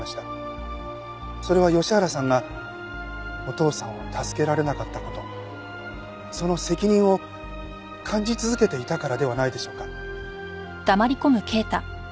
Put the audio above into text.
それは吉原さんがお父さんを助けられなかった事その責任を感じ続けていたからではないでしょうか？